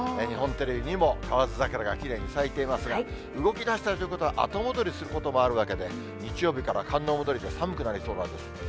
日本テレビにもカワヅザクラがきれいに咲いていますが、動きだしたということは、後戻りすることもあるわけで、日曜日から寒の戻りで寒くなりそうなんです。